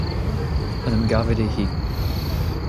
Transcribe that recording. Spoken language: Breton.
en em gavet eo-hi.